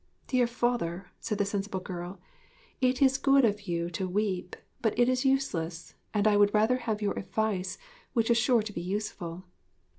'Dear father,' said the sensible girl, 'it is good of you to weep; but it is useless, and I would rather have your advice, which is sure to be useful.'